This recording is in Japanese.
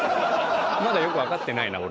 まだよく分かってないな、俺。